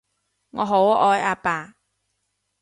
我好愛阿爸